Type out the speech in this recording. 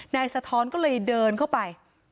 สะท้อนก็เลยเดินเข้าไป